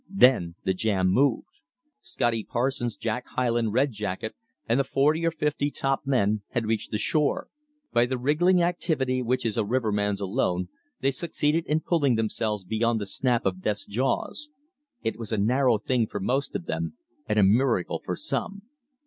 Then the jam moved. Scotty Parsons, Jack Hyland, Red Jacket, and the forty or fifty top men had reached the shore. By the wriggling activity which is a riverman's alone, they succeeded in pulling themselves beyond the snap of death's jaws. It was a narrow thing for most of them, and a miracle for some.